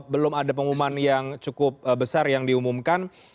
belum ada pengumuman yang cukup besar yang diumumkan